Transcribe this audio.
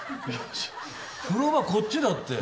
風呂場こっちだって。